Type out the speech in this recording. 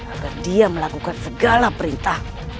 agar dia melakukan segala perintah